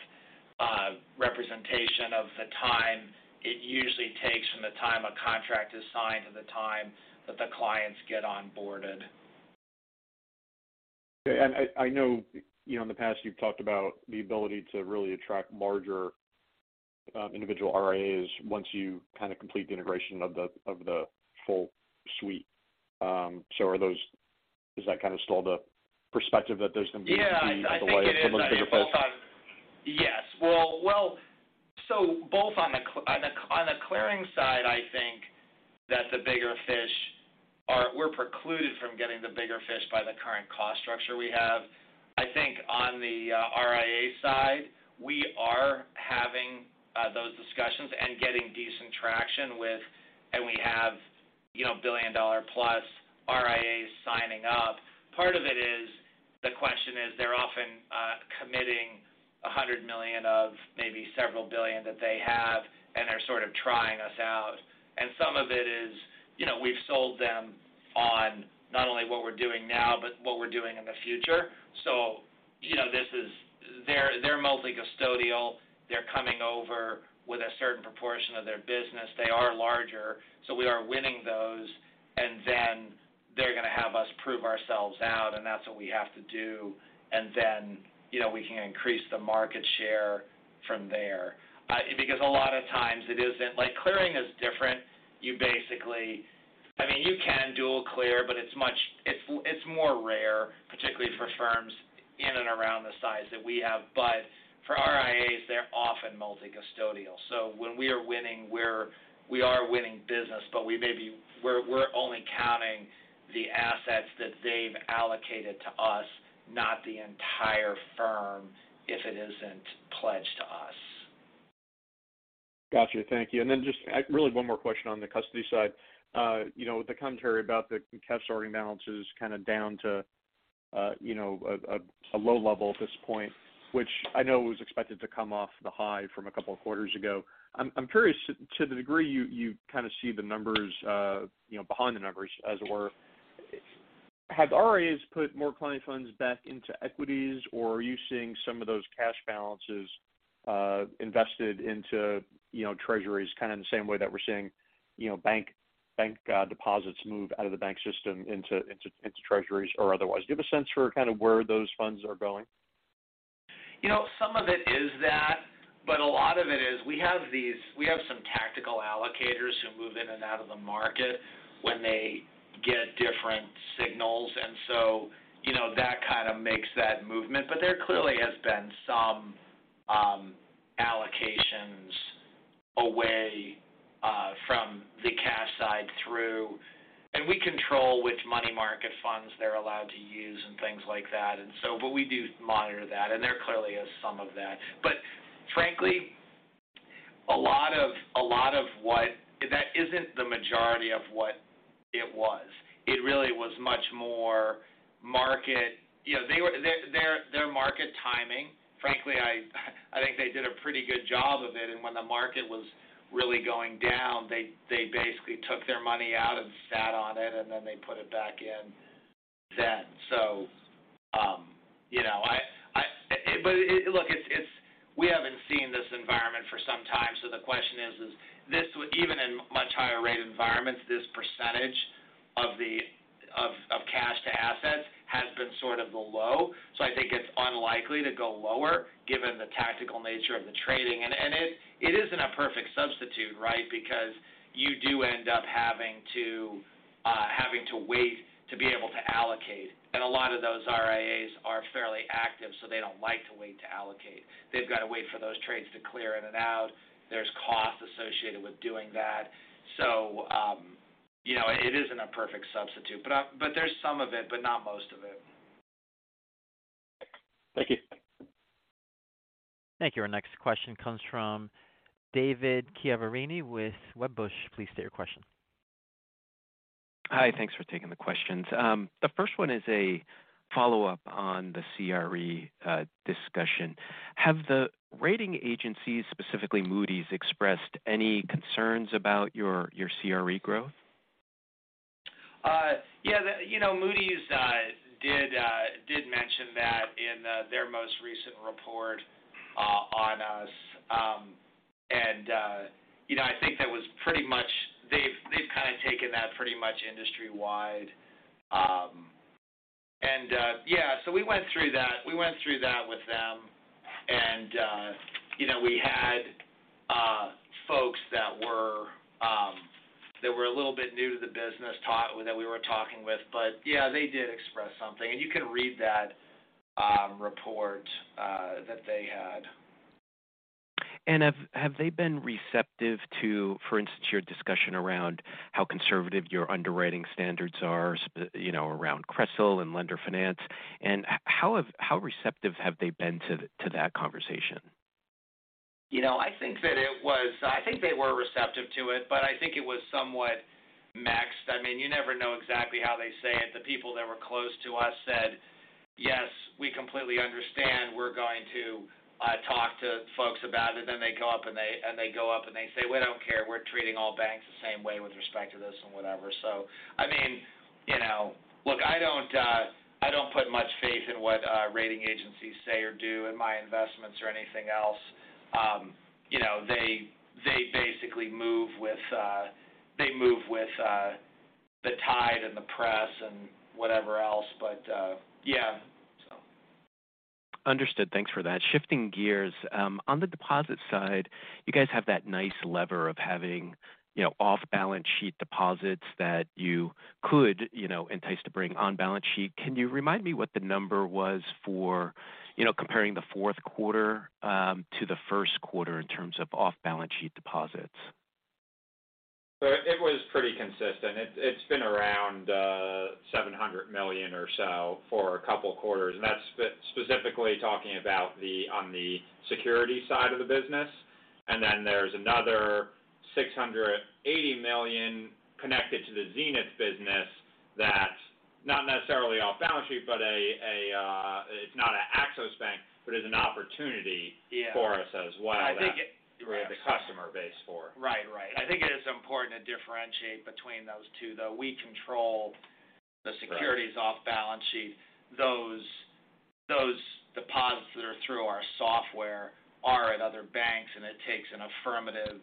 representation of the time it usually takes from the time a contract is signed to the time that the clients get onboarded. Okay. I know, you know, in the past you've talked about the ability to really attract larger, individual RIAs once you kind of complete the integration of the, of the full suite. Is that kind of still the perspective that there's going to be... Yeah. I think it is. -some delay for those bigger folks? Yes. Well, so both on the clearing side, I think that the bigger fish we're precluded from getting the bigger fish by the current cost structure we have. I think on the RIA side, we are having those discussions and getting decent traction with. We have, you know, billion-dollar plus RIAs signing up. Part of it is the question is they're often committing $100 million of maybe several billion that they have, and they're sort of trying us out. Some of it is, you know, we've sold them on not only what we're doing now but what we're doing in the future. You know, they're multi-custodial. They're coming over with a certain proportion of their business. They are larger, so we are winning those, and then they're gonna have us prove ourselves out, and that's what we have to do. You know, we can increase the market share from there. Because a lot of times it isn't. Like, clearing is different. I mean, you can dual clear, but it's more rare, particularly for firms in and around the size that we have. For RIAs, they're often multi-custodial. When we are winning, we are winning business, but we're only counting the assets that they've allocated to us, not the entire firm if it isn't pledged to us. Got you. Thank you. Then just really one more question on the custody side. You know, the commentary about the cash sorting balances kind of down to, you know, a low level at this point, which I know was expected to come off the high from a couple of quarters ago. I'm curious to the degree you kind of see the numbers, you know, behind the numbers as it were. Have RIAs put more client funds back into equities, or are you seeing some of those cash balances? invested into, you know, treasuries kind of in the same way that we're seeing, you know, bank deposits move out of the bank system into treasuries or otherwise. Do you have a sense for kind of where those funds are going? You know, some of it is that, but a lot of it is we have some tactical allocators who move in and out of the market when they get different signals. You know, that kind of makes that movement. There clearly has been some allocations away from the cash side through... We control which money market funds they're allowed to use and things like that. We do monitor that, and there clearly is some of that. Frankly, a lot of what That isn't the majority of what it was. It really was much more market. You know, Their market timing. Frankly, I think they did a pretty good job of it. When the market was really going down, they basically took their money out and sat on it, and then they put it back in then. You know, look, we haven't seen this environment for some time, so the question is this even in much higher rate environments, this % of cash to assets has been sort of the low. I think it's unlikely to go lower given the tactical nature of the trading. It isn't a perfect substitute, right? Because you do end up having to wait to be able to allocate. A lot of those RIAs are fairly active, so they don't like to wait to allocate. They've got to wait for those trades to clear in and out. There's costs associated with doing that. You know, it isn't a perfect substitute. But there's some of it, but not most of it. Thank you. Thank you. Our next question comes from David Chiaverini with Wedbush. Please state your question. Hi. Thanks for taking the questions. The first one is a follow-up on the CRE discussion. Have the rating agencies, specifically Moody's, expressed any concerns about your CRE growth? Yeah, the, you know, Moody's did mention that in their most recent report on us. You know, I think that was pretty much they've kind of taken that pretty much industry-wide. Yeah, so we went through that with them and, you know, we had folks that were a little bit new to the business that we were talking with. Yeah, they did express something. You can read that report that they had. Have they been receptive to, for instance, your discussion around how conservative your underwriting standards are, you know, around CRESL and Lender Finance? How receptive have they been to that conversation? You know, I think that it was I think they were receptive to it, but I think it was somewhat mixed. I mean, you never know exactly how they say it. The people that were close to us said, "Yes, we completely understand. We're going to talk to folks about it." They go up and they go up and they say, "We don't care. We're treating all banks the same way with respect to this and whatever." I mean, you know. Look, I don't, I don't put much faith in what rating agencies say or do in my investments or anything else. You know, they basically move with, they move with the tide and the press and whatever else. Yeah, so. Understood. Thanks for that. Shifting gears. On the deposit side, you guys have that nice lever of having, you know, off-balance sheet deposits that you could, you know, entice to bring on balance sheet. Can you remind me what the number was for, you know, comparing the fourth quarter to the first quarter in terms of off-balance sheet deposits? It was pretty consistent. It's been around $700 million or so for a couple quarters, and that's specifically talking about on the security side of the business. There's another $680 million connected to the Zenith business that's not necessarily off balance sheet, but it's not a Axos Bank, but is an opportunity-. Yeah. for us as well. I think. We have the customer base for. Right. Right. I think it is important to differentiate between those two, though. We control the securities off balance sheet. Those deposits that are through our software are at other banks. It takes an affirmative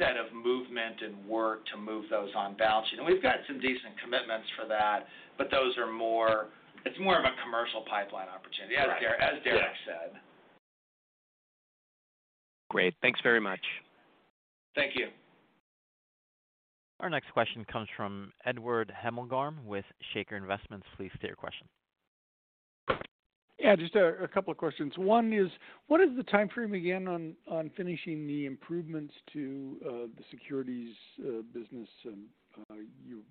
set of movement and work to move those on balance sheet. We've got some decent commitments for that. It's more of a commercial pipeline opportunity. Right. Yeah. as Derek said. Great. Thanks very much. Thank you. Our next question comes from Edward Hemmelgarn with Shaker Investments. Please state your question. Yeah, just a couple of questions. One is, what is the timeframe again on finishing the improvements to the securities business you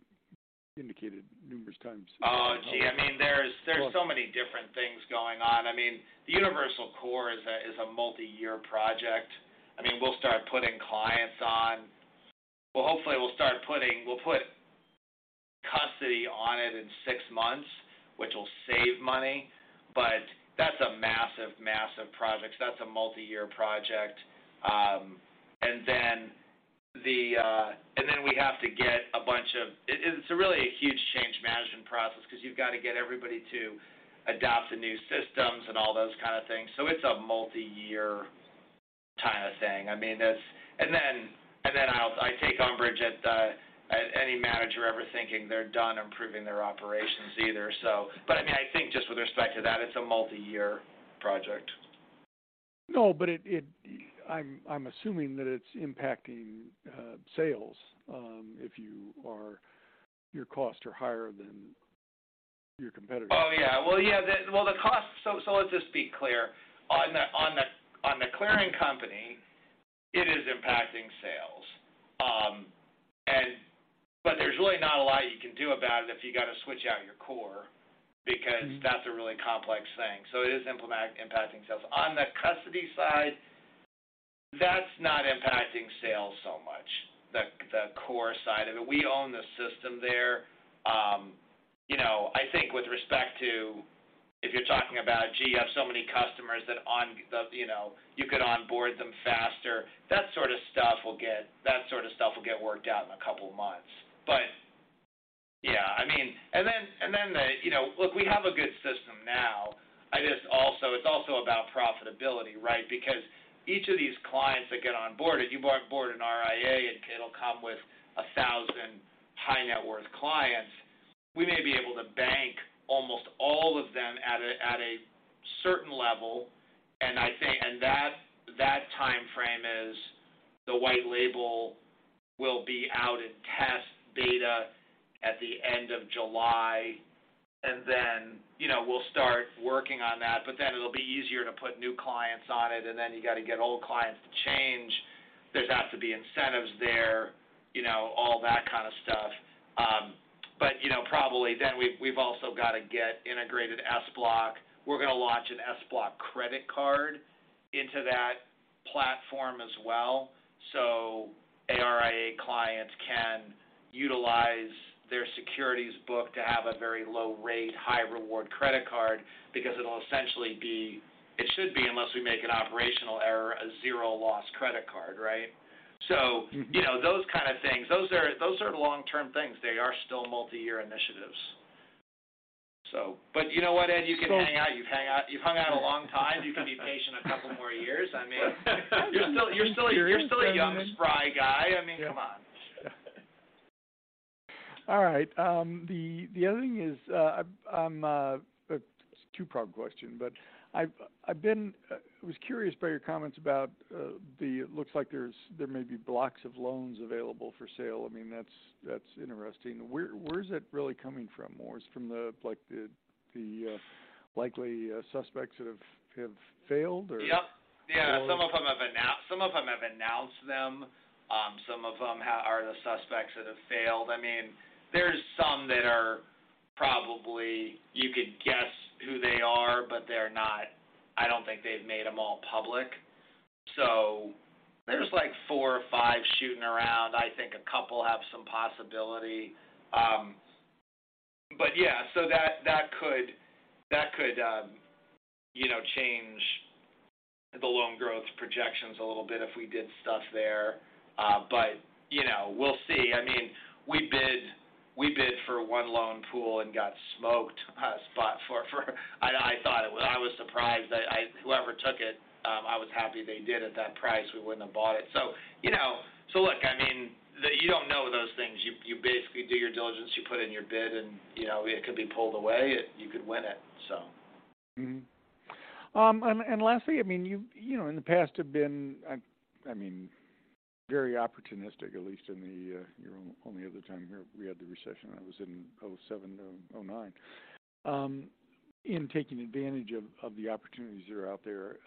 indicated numerous times? I mean, there's so many different things going on. I mean, the Axos Universal Core is a multi-year project. I mean, we'll start putting clients on. Hopefully we'll put custody on it in six months, which will save money, but that's a massive project. That's a multi-year project. A huge change management process, because you've got to get everybody to adopt the new systems and all those kind of things. It's a multi-year kind of thing. I mean, I take umbrage at any manager ever thinking they're done improving their operations either. I mean, I think just with respect to that, it's a multi-year project. No, it I'm assuming that it's impacting sales if you your costs are higher than your competitors. Yeah. Let's just be clear. On the clearing company, it is impacting sales. There's really not a lot you can do about it if you got to switch out your core because that's a really complex thing. It is impacting sales. On the custody side, that's not impacting sales so much, the core side of it. We own the system there. You know, I think with respect to if you're talking about, gee, you have so many customers that you know, you could onboard them faster, that sort of stuff will get worked out in a couple of months. Yeah, I mean. You know, look, we have a good system now. It's also about profitability, right? Each of these clients that get onboarded, you onboard an RIA, and it'll come with 1,000 high net worth clients. We may be able to bank almost all of them at a certain level. That timeframe is the white label will be out in test beta at the end of July. You know, we'll start working on that, it'll be easier to put new clients on it. You got to get old clients to change. There has to be incentives there, you know, all that kind of stuff. You know, probably then we've also got to get integrated S Block. We're going to launch an S Block credit card into that platform as well. RIA clients can utilize their securities book to have a very low rate, high reward credit card because it'll essentially be. It should be, unless we make an operational error, a zero loss credit card, right? Mm-hmm. You know, those kind of things. Those are long-term things. They are still multi-year initiatives. You know what, Ed? So- You can hang out. You've hung out a long time. You can be patient a couple more years. I mean, You're still. I'm here indefinitely. you're still a young, spry guy. I mean, come on. All right. The other thing is, it's a two-part question, but I've been curious by your comments about the... It looks like there may be blocks of loans available for sale. I mean, that's interesting. Where, where is it really coming from more? Is it from the, like, the, likely, suspects that have failed, or- Yep. Yeah. All of them? Some of them have announced them. Some of them are the suspects that have failed. I mean, there's some that are probably, you could guess who they are, but they're not. I don't think they've made them all public. There's, like, four or five shooting around. I think a couple have some possibility. Yeah. That, that could, that could, you know, change the loan growth projections a little bit if we did stuff there. You know, we'll see. I mean, we bid for one loan pool and got smoked, spot for. I thought it was. I was surprised that whoever took it, I was happy they did at that price, we wouldn't have bought it. You know, look, I mean, you don't know those things. You basically do your diligence, you put in your bid and, you know, it could be pulled away, you could win it. Mm-hmm. Lastly, I mean, you've, you know, in the past have been, I mean, very opportunistic, at least in the only other time here we had the recession that was in 2007 to 2009, in taking advantage of the opportunities that are out there.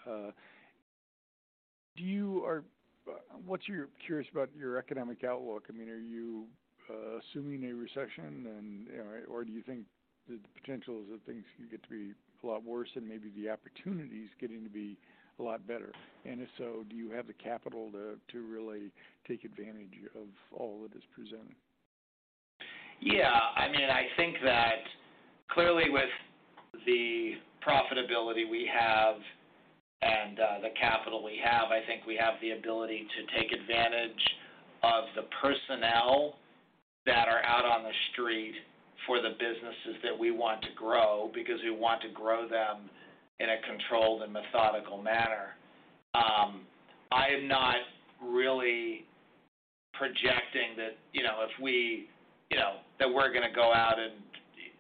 What's your Curious about your economic outlook? I mean, are you assuming a recession or do you think the potential is that things could get to be a lot worse and maybe the opportunity is getting to be a lot better? If so, do you have the capital to really take advantage of all that is presented? Yeah. I mean, I think that clearly with the profitability we have and the capital we have, I think we have the ability to take advantage of the personnel that are out on the street for the businesses that we want to grow because we want to grow them in a controlled and methodical manner. I'm not really projecting that, you know, if we, you know, that we're gonna go out and,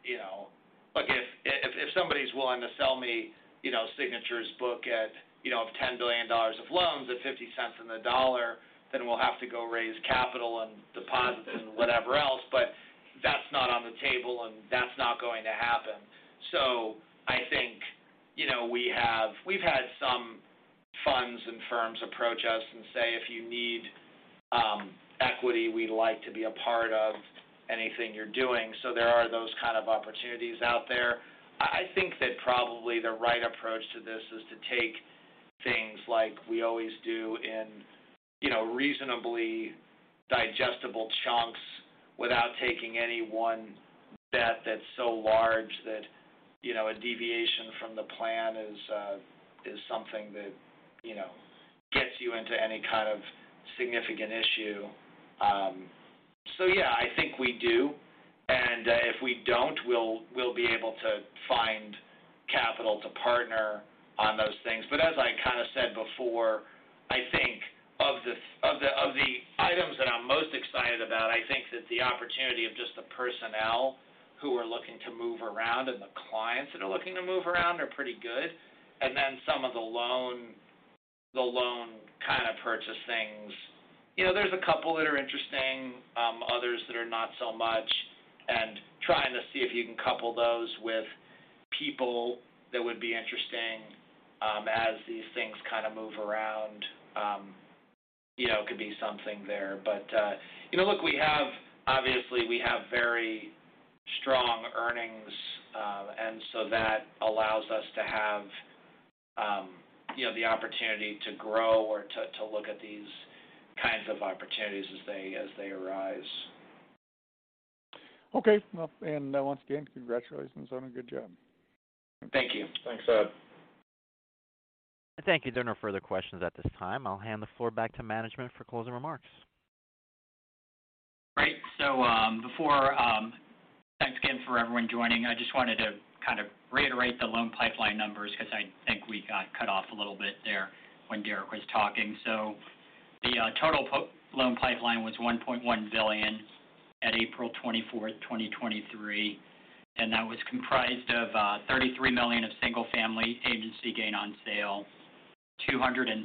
you know. Like, if somebody's willing to sell me, you know, Signature book at, you know, of $10 billion of loans at $0.50 on the dollar, then we'll have to go raise capital and deposits and whatever else. That's not on the table, and that's not going to happen. I think, you know, we've had some funds and firms approach us and say, "If you need equity, we'd like to be a part of anything you're doing." There are those kind of opportunities out there. I think that probably the right approach to this is to take things like we always do in, you know, reasonably digestible chunks without taking any one bet that's so large that you know, a deviation from the plan is something that, you know, gets you into any kind of significant issue. Yeah, I think we do. If we don't, we'll be able to find capital to partner on those things. As I kind of said before, I think of the items that I'm most excited about, I think that the opportunity of just the personnel who are looking to move around and the clients that are looking to move around are pretty good. Then some of the loan kind of purchase things. You know, there's a couple that are interesting, others that are not so much, and trying to see if you can couple those with people that would be interesting, as these things kind of move around, you know, could be something there. You know, look, obviously, we have very strong earnings, so that allows us to have, you know, the opportunity to grow or to look at these kinds of opportunities as they arise. Okay. Well, once again, congratulations on a good job. Thank you. Thanks, Ed. Thank you. There are no further questions at this time. I'll hand the floor back to management for closing remarks. Great. Before, thanks again for everyone joining. I just wanted to kind of reiterate the loan pipeline numbers because I think we got cut off a little bit there when Derrick was talking. The total loan pipeline was $1.1 billion at 24th April 2023, and that was comprised of $33 million of single-family agency gain on sale, $273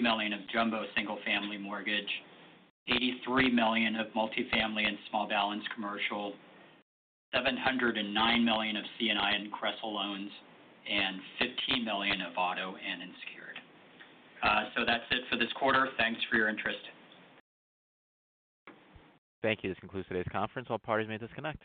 million of jumbo single-family mortgage, $83 million of multifamily and small balance commercial, $709 million of C&I and CRE loans, and $15 million of auto and unsecured. That's it for this quarter. Thanks for your interest. Thank you. This concludes today's conference. All parties may disconnect.